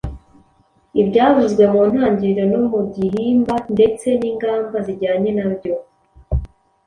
ibyavuzwe mu ntangiriro no mu gihimba ndetse n’ingamba zijyanye na byo.